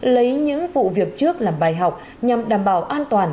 lấy những vụ việc trước làm bài học nhằm đảm bảo an toàn